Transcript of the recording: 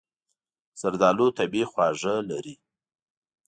زردالو طبیعي خواږه لري.